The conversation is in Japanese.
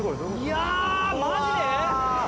いやマジで？